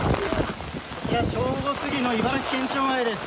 正午過ぎの茨城県庁前です。